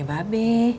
tapi anaknya be